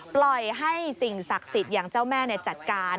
ปล่อยให้สิ่งศักดิ์สิทธิ์อย่างเจ้าแม่จัดการ